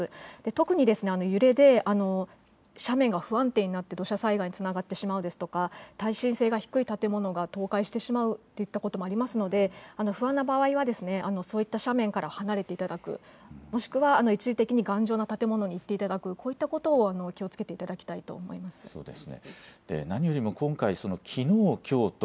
特に揺れで斜面が不安定になって、土砂災害につながってしまうですとか、耐震性が低い建物が倒壊してしまうといったこともありますので、不安な場合は、そういった斜面から離れていただく、もしくは一時的に頑丈な建物に行っていただく、こういったことを気をつけていただきたいと思います。